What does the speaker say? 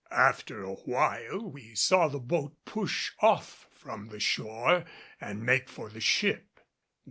After awhile we saw the boat push off from the shore and make for the ship.